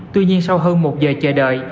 tuy nhiên sau hơn một giờ chờ đợi